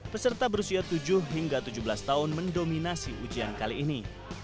peserta berusia tujuh hingga tujuh belas tahun mendominasi ujian kali ini